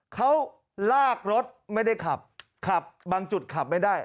เขาลากรถไม่ได้ขับขับบางจุดขับไม่ได้